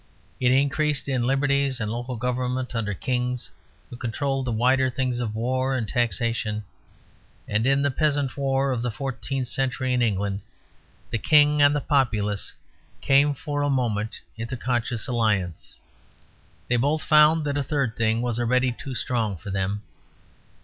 It increased in liberties and local government under kings who controlled the wider things of war and taxation; and in the peasant war of the fourteenth century in England, the king and the populace came for a moment into conscious alliance. They both found that a third thing was already too strong for them.